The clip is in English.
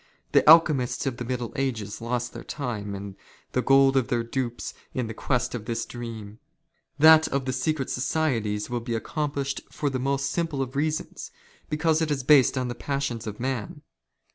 The alchemists of the middle ages lost their " time and the gold of their dupes in the quest of this dream. " That of the secret societies will be accomplished for the most 72 WAR OF ANTICHRIST WITH THE CHURCH. ''simple of reasons, because it is based on the passions of man.